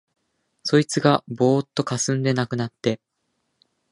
そいつがぼうっとかすんで無くなって、